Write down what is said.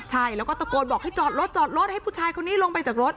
ใช่แล้วก็ตะโกนบอกให้จอดรถจอดรถให้ผู้ชายคนนี้ลงไปจากรถ